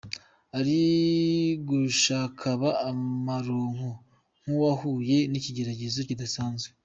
Ari gushakaba amaronko nkuwahuye nikigeragezo kidasanzwe.